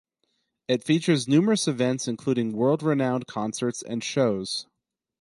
It features numerous events including world-renowned concerts and shows.